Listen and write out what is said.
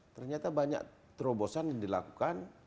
ternyata banyak terobosan yang dilakukan